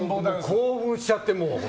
興奮しちゃって、もう。